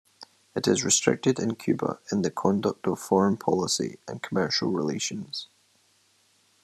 It restricted Cuba in the conduct of foreign policy and commercial relations.